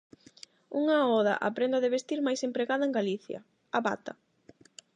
Unha oda á prenda de vestir máis empregada en Galicia, a bata.